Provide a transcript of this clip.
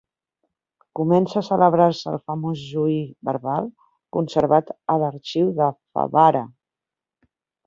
Comença a celebrar-se el famós juí verbal, conservat a l'arxiu de Favara.